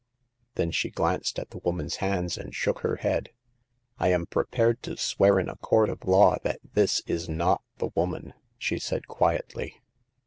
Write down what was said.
Then she glanced at the woman's hands and shook her head. I am prepared to swear in a court of law that this is not the woman," she said, quietly.